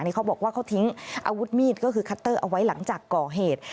เขาบอกว่าเขาทิ้งอาวุธมีดก็คือคัตเตอร์เอาไว้หลังจากก่อเหตุ